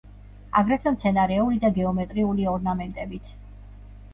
აგრეთვე მცენარეული და გეომეტრიული ორნამენტებით.